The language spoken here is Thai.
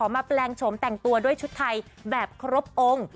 แปลงโฉมแต่งตัวด้วยชุดไทยแบบครบองค์